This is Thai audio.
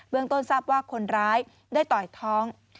ต้นทราบว่าคนร้ายได้ต่อยท้อง